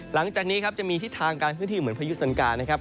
หลังจากนี้ครับจะมีทิศทางการเคลื่อนที่เหมือนพายุสังกานะครับ